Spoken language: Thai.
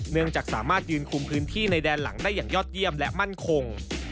เนื่องจากสามารถยืนคุมพื้นที่ในแดนหลังได้อย่างยอดเยี่ยมและมั่นคง